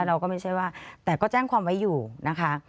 เราก็ไม่ใช่ว่าแต่ก็แจ้งความไว้อยู่นะคะ